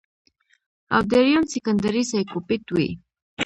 او دريم سيکنډري سايکوپېت وي